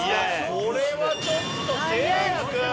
これはちょっとせいや君！